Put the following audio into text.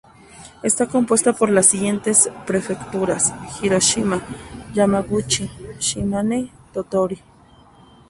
Está compuesta por las siguientes prefecturas: Hiroshima, Yamaguchi, Shimane, Tottori.